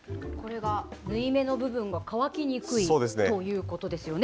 縫い目の部分が乾きにくいということですよね。